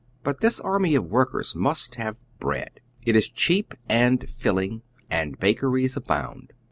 But this army of workei's must have bread. It is cheap and filling, and bakeries abound.